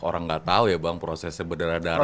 orang gak tau ya bang proses seberdarah darahnya